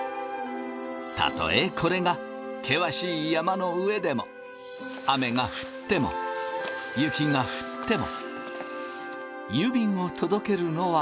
たとえこれが険しい山の上でも雨が降っても雪が降っても。